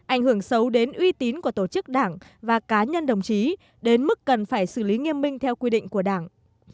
ảnh hưởng xấu đến uy tín của tổ chức đảng và cá nhân đồng chí đến mức cần phải xử lý nghiêm minh theo quy định của đảng